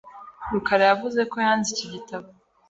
rukara yavuze ko yanze iki gitabo .